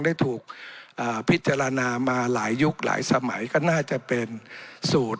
ได้ถูกพิจารณามาหลายยุคหลายสมัยก็น่าจะเป็นสูตร